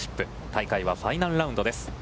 大会はファイナルラウンドです。